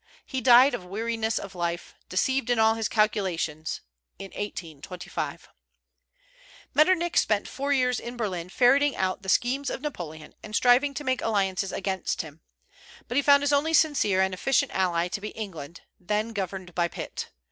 He died of weariness of life, deceived in all his calculations," in 1825. Metternich spent four years in Berlin, ferreting out the schemes of Napoleon, and striving to make alliances against him; but he found his only sincere and efficient ally to be England, then governed by Pitt.